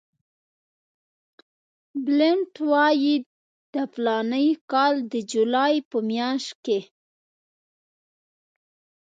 بلنټ وایي د فلاني کال د جولای په میاشت کې.